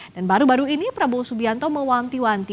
dan baru baru ini prabowo subianto mewanti wanti